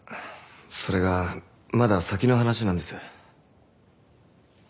それがまだ先の話なんです。